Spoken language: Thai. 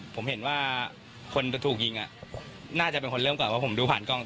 ผมเห็นว่าคนจะถูกยิงน่าจะเป็นคนเริ่มก่อนว่าผมดูผ่านกล้อง